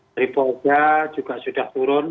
tripol juga sudah turun